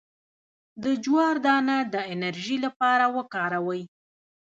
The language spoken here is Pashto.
د جوار دانه د انرژي لپاره وکاروئ